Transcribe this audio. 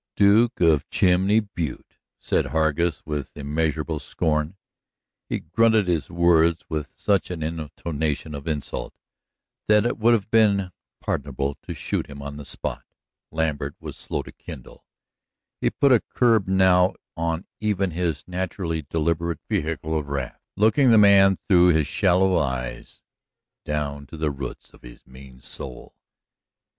"Duke of Chimney Butte!" said Hargus with immeasurable scorn. He grunted his words with such an intonation of insult that it would have been pardonable to shoot him on the spot. Lambert was slow to kindle. He put a curb now on even his naturally deliberate vehicle of wrath, looking the man through his shallow eyes down to the roots of his mean soul.